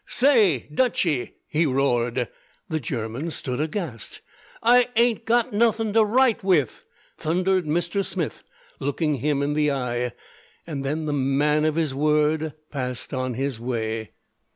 "Say, Dutchy!" he roared. The German stood aghast. "I ain't got nothing to write with!" thundered Mr. Smith, looking him in the eye. And then the man of his word passed on his way.